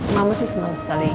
mama sih seneng sekali